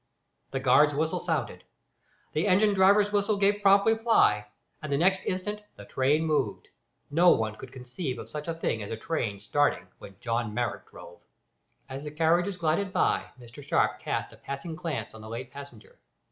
The guard's whistle sounded. The engine driver's whistle gave prompt reply, and next instant the train moved. No one could conceive of such a thing as a train starting when John Marrot drove! As the carriages glided by, Mr Sharp cast a passing glance on the late passenger.